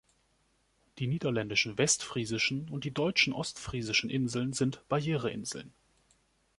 Die niederländischen westfriesischen und die Deutschen ostfriesischen Inseln sind Barriereinseln.